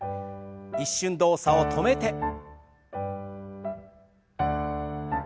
一瞬動作を止めて。